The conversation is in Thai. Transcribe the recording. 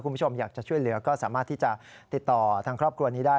คุณผู้ชมอยากจะช่วยเหลือก็สามารถที่จะติดต่อทางครอบครัวนี้ได้